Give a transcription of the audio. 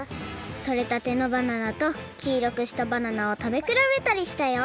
とれたてのバナナときいろくしたバナナをたべくらべたりしたよ。